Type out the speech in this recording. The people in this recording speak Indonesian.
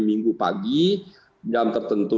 minggu pagi jam tertentu